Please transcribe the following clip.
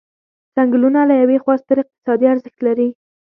څنګلونه له یوې خوا ستر اقتصادي ارزښت لري.